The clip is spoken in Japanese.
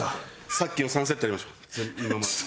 さっきの３セットやりましょう今までの。